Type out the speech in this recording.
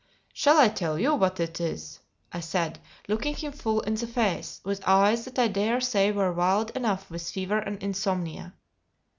"Shall I tell you what it is?" I said, looking him full in the face, with eyes that I dare say were wild enough with fever and insomnia.